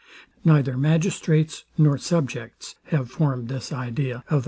Neither magistrates nor subjects have formed this idea of our civil duties.